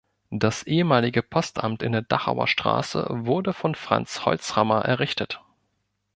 Das ehemalige Postamt in der Dachauer Straße wurde von Franz Holzhammer errichtet.